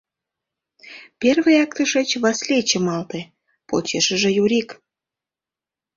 Первыяк тышеч Васлий чымалте, почешыже — Юрик.